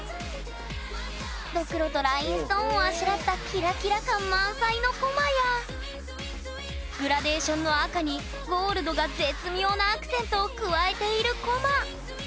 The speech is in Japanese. ドクロとラインストーンをあしらったキラキラ感満載のコマやグラデーションの赤にゴールドが絶妙なアクセントを加えているコマ。